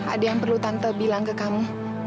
ada yang perlu tante bilang ke kamu